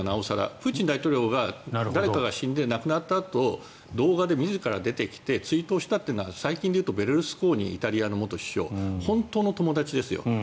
プーチン大統領が誰かが死んで亡くなったあと動画で自ら出てきて追悼するというのはベルルスコーニというイタリアの元首相本当の友達ですよ。